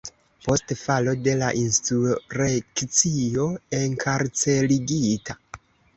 Post falo de la insurekcio enkarcerigita.